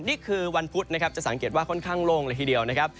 นี่คือวันพุธนะครับจะสังเกตว่าค่อนข้างโล่งเลยทีเดียวนะครับ